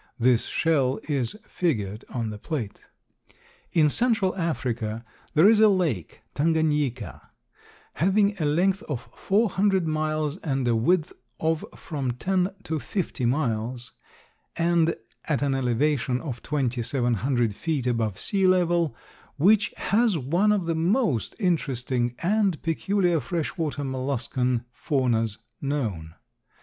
This shell is figured on the plate. In Central Africa there is a lake, Tanganyika, having a length of four hundred miles and a width of from ten to fifty miles, and at an elevation of twenty seven hundred feet above sea level, which has one of the most interesting and peculiar fresh water molluscan faunas known.